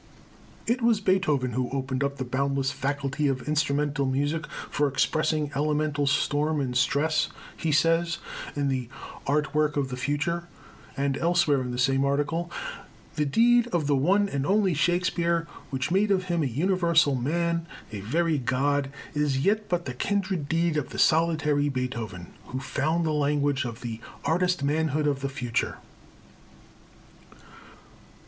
"It was Beethoven who opened up the boundless faculty of instrumental music for expressing elemental storm and stress," he says in the "Art Work of the Future," and elsewhere in the same article, "the deed of the one and only Shakespeare, which made of him a universal man, a very god, is yet but the kindred deed of the solitary Beethoven, who found the language of the artist manhood of the future."